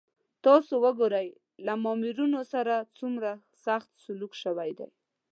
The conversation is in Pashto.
تاسو وګورئ له مامورینو سره څومره سخت سلوک شوی دی.